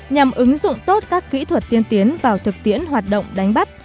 nhằm ứng dụng tốt các kỹ thuật tiên tiến vào thực tiễn hoạt động đánh bắt